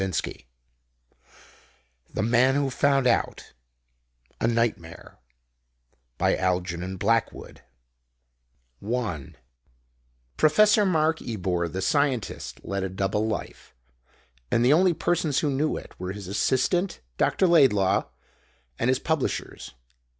X THE MAN WHO FOUND OUT (A NIGHTMARE) 1 Professor Mark Ebor, the scientist, led a double life, and the only persons who knew it were his assistant, Dr. Laidlaw, and his publishers.